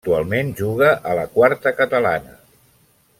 Actualment juga a la Quarta Catalana.